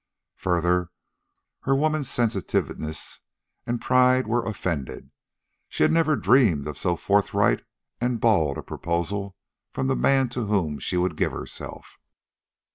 Further, her woman's sensitiveness and pride were offended. She had never dreamed of so forthright and bald a proposal from the man to whom she would give herself.